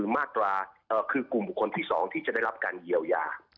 มาตราคือกลุ่มบุคคลที่๒ที่จะได้รับการเยียวยา